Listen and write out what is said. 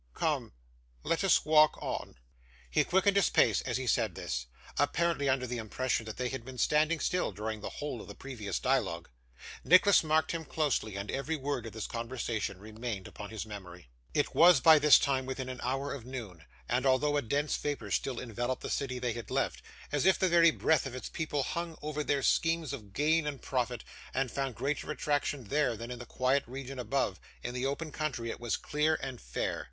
Come, let us walk on.' He quickened his pace as he said this, apparently under the impression that they had been standing still during the whole of the previous dialogue. Nicholas marked him closely, and every word of this conversation remained upon his memory. It was, by this time, within an hour of noon, and although a dense vapour still enveloped the city they had left, as if the very breath of its busy people hung over their schemes of gain and profit, and found greater attraction there than in the quiet region above, in the open country it was clear and fair.